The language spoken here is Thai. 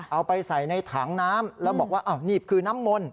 เอาไปใส่ในถังน้ำแล้วบอกว่าอ้าวนี่คือน้ำมนต์